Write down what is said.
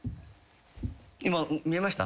今見えました？